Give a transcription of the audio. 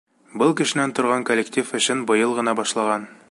Биш кешенән торған коллектив эшен быйыл ғына башлаған.